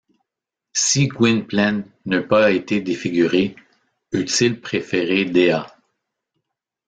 Si Gwynplaine n’eût pas été défiguré, eût-il préféré Dea?